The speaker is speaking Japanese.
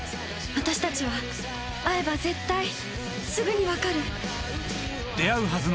私たちは会えば絶対すぐに分かる。